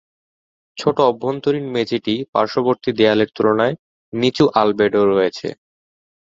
ছোট অভ্যন্তরীণ মেঝেটি পার্শ্ববর্তী দেয়ালের তুলনায় নিচু আলবেডো রয়েছে।